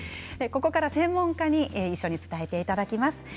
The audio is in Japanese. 専門家と一緒に伝えていただきます。